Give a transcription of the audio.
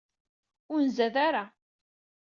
Ur nzad ara.